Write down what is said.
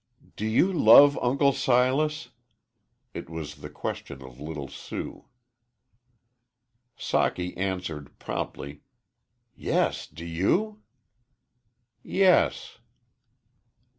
"Do you love Uncle Silas?" It was the question of little Sue. Socky answered, promptly, "Yes; do you?" "Yes."